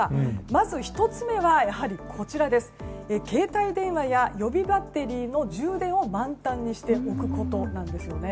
まず１つ目は携帯電話や予備バッテリーの充電を満タンにしておくことなんです。